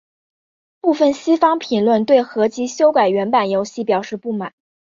部分西方评论对合辑修改原版游戏表示不满。